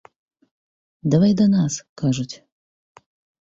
Давай да нас, кажуць.